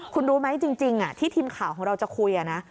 คุณรู้ไหมจริงที่ทีมข่าวของเราจะคุยนะ